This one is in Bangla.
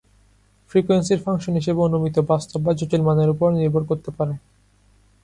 ফ্রিকোয়েন্সির ফাংশন হিসাবে অনুমতি বাস্তব বা জটিল মানের উপর নির্ভর করতে পারে।